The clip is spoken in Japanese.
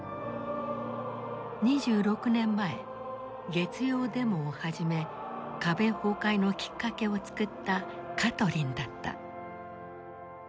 ２６年前月曜デモを始め壁崩壊のきっかけを作ったカトリンだった。